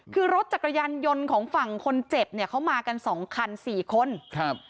คือรถจักรยานยนต์ของฝั่งคนเจ็บเนี่ยเขามากันสองคันสี่คนครับ